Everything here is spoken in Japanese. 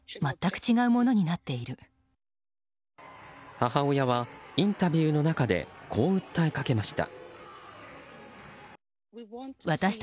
母親はインタビューの中でこう訴えかけました。